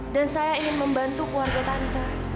dan saya ingin membantu keluarga tante